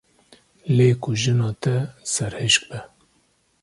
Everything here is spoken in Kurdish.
Lê ku jina te serhişk be.